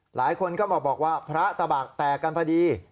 หลายคนก็มาบอกว่าพระตะบักแตกกันพอดี